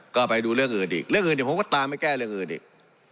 ก็ไปดูเรื่องอื่นอีกเรื่องอื่นเดี๋ยวผมก็ตามไปแก้เรื่องอื่นอีก